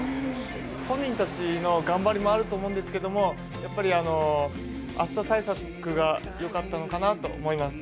本人たちの頑張りもあると思うんですけどやっぱり暑さ対策がよかったのかなと思います。